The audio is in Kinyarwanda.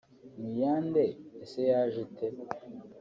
ni iyande ese yaje ite